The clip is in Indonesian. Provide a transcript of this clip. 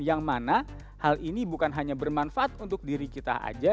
yang mana hal ini bukan hanya bermanfaat untuk diri kita saja